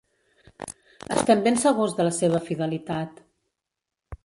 Estem ben segurs de la seva fidelitat.